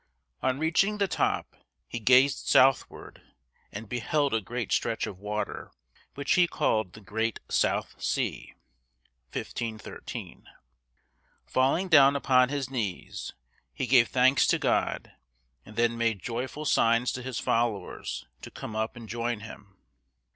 ] On reaching the top, he gazed southward and beheld a great stretch of water, which he called the Great South Sea (1513). Falling down upon his knees, he gave thanks to God, and then made joyful signs to his followers to come up and join him.